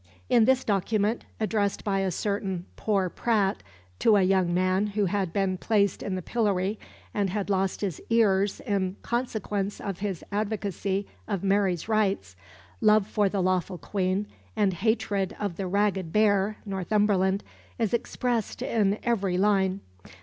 In this document, addressed by a certain "poor Pratte" to a young man who had been placed in the pillory and had lost his ears in consequence of his advocacy of Mary's rights, love for the lawful Queen, and hatred of the "ragged bear," Northumberland, is expressed in every line.